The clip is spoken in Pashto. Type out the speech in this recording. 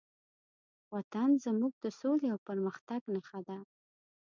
وطن زموږ د سولې او پرمختګ نښه ده.